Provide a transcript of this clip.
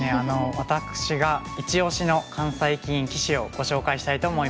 私がイチオシの関西棋院棋士をご紹介したいと思います。